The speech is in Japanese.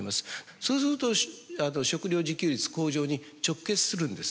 そうすると食料自給率向上に直結するんです。